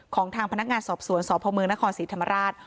ของทางพนักงานสอบสวนสพเมืองนครศรีธรรมราช